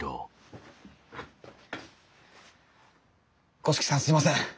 五色さんすみません。